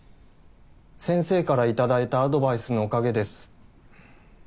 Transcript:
先生から頂いたアドバイスのおかげです。